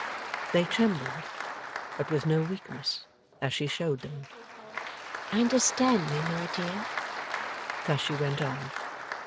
They trembled, but with no weakness, as she showed them. 'Understand me, my dear;' thus she went on.